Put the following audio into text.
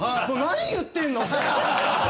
何言ってんの？